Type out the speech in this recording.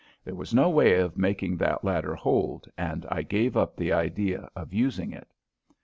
There was no way of making that ladder hold, and I gave up the idea of using it.